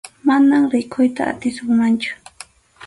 Manam rikuyta atisunmanchu.